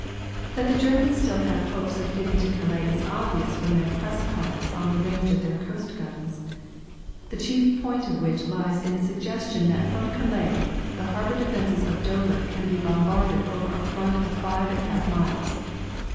That the Germans still have hopes of getting to Calais is obvious from their Press comments on the range of their coast guns. "The chief point of which lies in the suggestion that from Calais the harbour defences of Dover can be bombarded over a front of five and a half miles!"